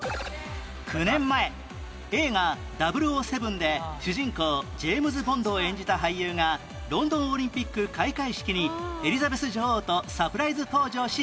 ９年前映画『００７』で主人公ジェームズ・ボンドを演じた俳優がロンドンオリンピック開会式にエリザベス女王とサプライズ登場し話題に